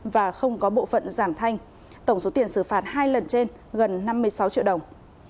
và không có bộ phận giảm thanh tổng số tiền xử phạt hai lần trên gần năm mươi sáu triệu đồng